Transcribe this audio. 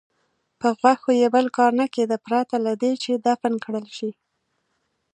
په غوښو یې بل کار نه کېده پرته له دې چې دفن کړل شي.